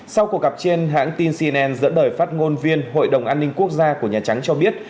sau cuộc gặp trên hãng tin cnn dẫn đời phát ngôn viên hội đồng an ninh quốc gia của nhà trắng cho biết